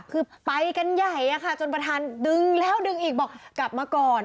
คือไปกันใหญ่อะค่ะจนประธานดึงแล้วดึงอีกบอกกลับมาก่อน